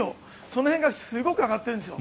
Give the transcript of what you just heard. その辺がすごく上がってるんです。